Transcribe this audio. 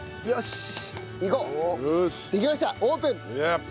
よし。